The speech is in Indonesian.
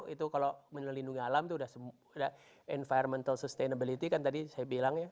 itu kalau melindungi alam itu sudah environmental sustainability kan tadi saya bilang ya